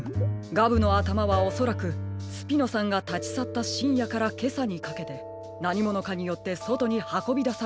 ガブのあたまはおそらくスピノさんがたちさったしんやからけさにかけてなにものかによってそとにはこびだされたのでしょう。